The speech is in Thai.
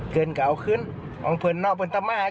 คำนี้น่ารักมาก